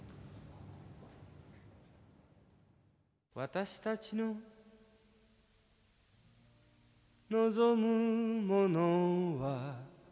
「私たちの望むものは」